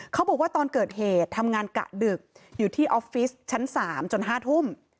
เขาบอกว่าตอนเกิดเหตุทำงานกะดึกอยู่ที่ออฟฟิศชั้น๓จน๕ทุ่ม